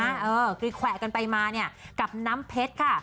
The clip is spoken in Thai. เออคือแขวะกันไปมาเนี่ยกับน้ำเพชรค่ะ